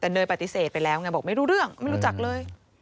แต่เนยปฏิเสธไปแล้วไงบอกไม่รู้เรื่องไม่รู้จักเลย